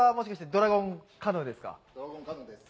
ドラゴンカヌーです。